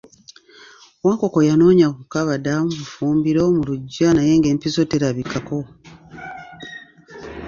Wankoko yanoonya ku kabada, mu ffumbiro, mu luggya naye ng'empiso terabikako.